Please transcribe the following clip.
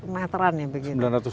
sembilan ratus meteran ya begitu